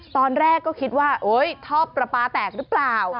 ตอนแรกก็คิดว่าโอ๊ยทอปประปาแตกหรือเปล่า